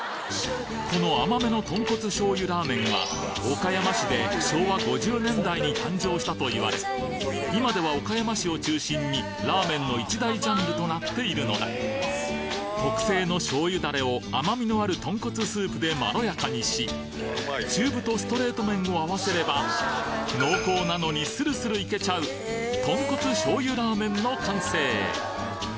この甘めの豚骨醤油ラーメンは今では岡山市を中心にラーメンの一大ジャンルとなっているのだ特製の醤油ダレを甘みのある豚骨スープでまろやかにし中太ストレート麺を合わせれば濃厚なのにスルスルいけちゃう豚骨醤油ラーメンの完成！